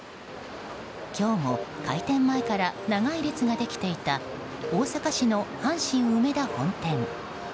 今日も開店前から長い列ができていた大阪市の阪神梅田本店。